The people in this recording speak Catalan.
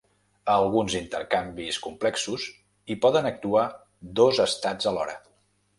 A alguns intercanvis complexos hi poden actuar dos estats alhora.